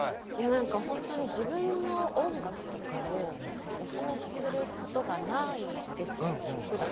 何か本当に自分の音楽とかをお話しすることがないんですよふだん。